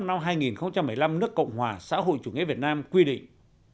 năm hai nghìn một mươi năm nước cộng hòa xã hội chủ nghĩa việt nam quy định